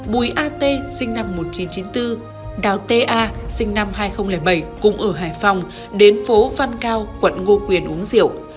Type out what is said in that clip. bùi a t sinh năm một nghìn chín trăm chín mươi bốn đào t a sinh năm hai nghìn bảy cùng ở hải phòng đến phố văn cao quận ngo quyền uống rượu